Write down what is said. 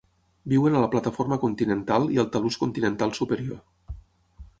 Viuen a la plataforma continental i al talús continental superior.